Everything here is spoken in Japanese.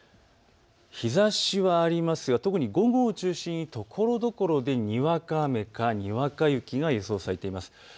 日ざしはありますが特に午後を中心にところどころでにわか雨かにわか雪が予想されています。